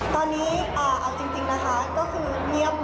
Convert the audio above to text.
ตอนนี้เอาจริงนะคะก็คือเงียบ